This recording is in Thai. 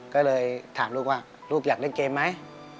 ก็เลยถามลูกว่าลูกอยากเล่นเกมไหม